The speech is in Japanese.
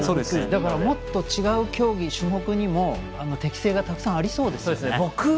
だからもっと違う競技、種目にも適正がたくさんありそうですよね。